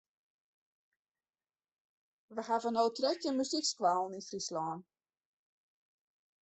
We hawwe no trettjin muzykskoallen yn Fryslân.